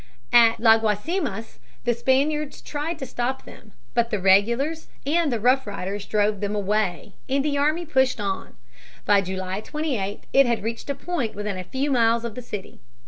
At La Guasimas the Spaniards tried to stop them. But the regulars and the Rough Riders drove them away, and the army pushed on. By June 28 it had reached a point within a few miles of the city.